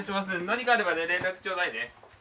何かあればね連絡ちょうだいね。